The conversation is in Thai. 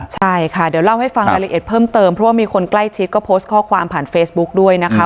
ใช่ค่ะเดี๋ยวเล่าให้ฟังรายละเอียดเพิ่มเติมเพราะว่ามีคนใกล้ชิดก็โพสต์ข้อความผ่านเฟซบุ๊กด้วยนะคะ